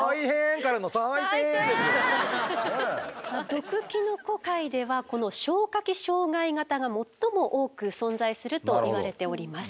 毒キノコ界ではこの消化器障害型が最も多く存在するといわれております。